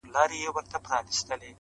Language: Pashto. دا ميوند ميوند دښتونه -